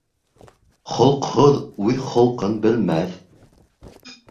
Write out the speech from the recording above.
Холоҡһоҙ үҙ холҡон белмәҫ